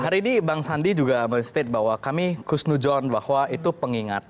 hari ini bang sandi juga men state bahwa kami kusnujon bahwa itu pengingat